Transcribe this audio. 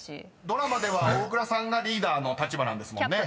［ドラマでは大倉さんがリーダーの立場なんですもんね］